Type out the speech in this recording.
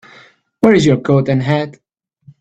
Where's your coat and hat?